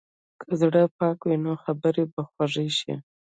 که زړه پاک وي، نو خبرې به خوږې شي.